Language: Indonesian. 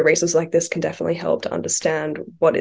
jadi riset seperti ini bisa membantu untuk memahami